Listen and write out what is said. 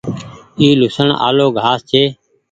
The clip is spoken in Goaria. اي لهوسڻ آلو گآه ڇي۔